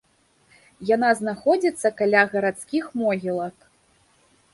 Яна знаходзіцца каля гарадскіх могілак.